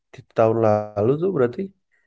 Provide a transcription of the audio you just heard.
di tahun lalu itu berarti